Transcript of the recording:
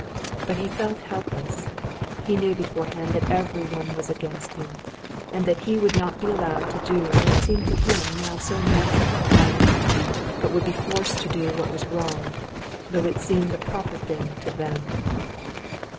But he felt helpless; he knew beforehand that everyone was against him, and that he would not be allowed to do what seemed to him now so natural and right, but would be forced to do what was wrong, though it seemed the proper thing to them.